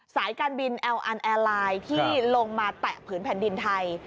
สายการบินแอลอันแอร์ไลน์ที่ลงมาแตะผืนแผ่นดินไทย